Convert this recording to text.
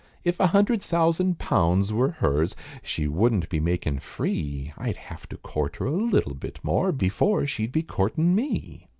If a hundred thousand pounds wor her's, She wouldn't be makin' free; I'd have to court her a little bit more, Before she'd be courtin' me.